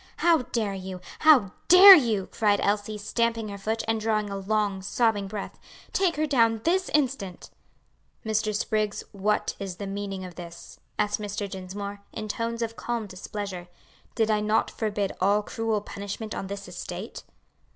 "How dare you! how dare you!" cried Elsie, stamping her foot, and drawing a long, sobbing breath. "Take her down this instant." "Mr. Spriggs, what is the meaning of this?" asked Mr. Dinsmore, in tones of calm displeasure; "did I not forbid all cruel punishment on this estate?"